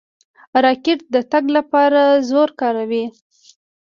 راکټ د تګ لپاره زور کاروي.